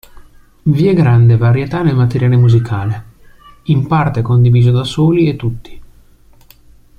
Vi è grande varietà nel materiale musicale, in parte condiviso da soli e tutti.